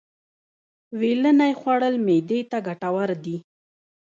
ویلنی خوړل خوړل معدې ته گټور دي.